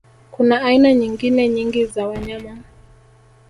Kuna aina nyingine nyingi za wanyama